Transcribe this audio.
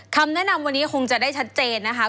คำแนะนำวันนี้คงจะได้ชัดเจนนะคะ